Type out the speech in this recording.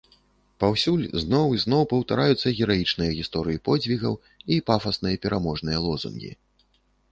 Паўсюль зноў і зноў паўтараюцца гераічныя гісторыі подзвігаў і пафасныя пераможныя лозунгі.